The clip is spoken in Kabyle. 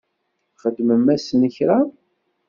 Txedmem-asen kra?